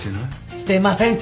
してませんって！